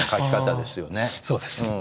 そうですね。